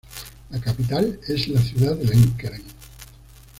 La capital es la ciudad de Lənkəran.